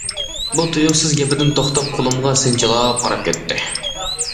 ئۇ تۇيۇقسىز گېپىدىن توختاپ قولۇمغا سىنچىلاپ قاراپ كەتتى.